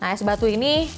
es batu ini